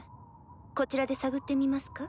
こちらで探ってみますか？